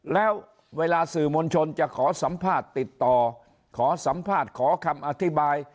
แล้วเวลาสื่อมวลชนจะขอสัมภาษณ์ติดต่อขอสัมภาษณ์ขอคำอธิบาย